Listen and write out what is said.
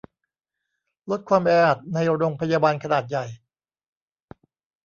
ลดความแออัดในโรงพยาบาลขนาดใหญ่